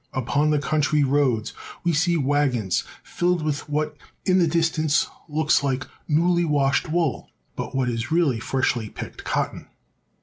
Upon the country roads we see wagons filled with what in the distance Ipoks like newly washed wool, but what is really freshly picked cotton.